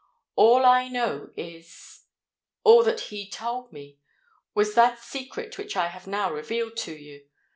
"All that I know is—all that he told me was that secret which I have now revealed to you!